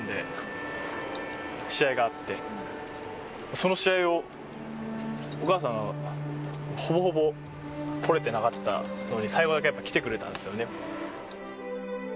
その試合をお母さんほぼほぼ来れてなかったのに最後だけ来てくれたんですよね。